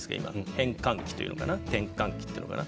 変換期というのかな？転換期というのかな？